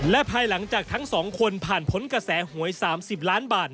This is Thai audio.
และภายหลังจากทั้ง๒คนผ่านพ้นกระแสหวย๓๐ล้านบาท